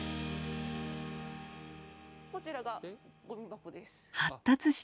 こちらがごみ箱です。